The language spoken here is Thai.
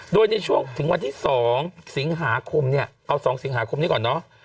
โดยในช่วงถึงวันที่๒สิงหาคมเนี่ยเอา๒สิงหาคมนี้ก่อนเนาะ